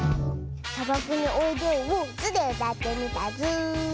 「さばくにおいでよ」を「ズ」でうたってみたズー。